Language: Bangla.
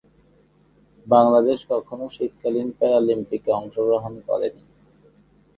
বাংলাদেশ কখনো শীতকালীন প্যারালিম্পিকে অংশগ্রহণ করেনি।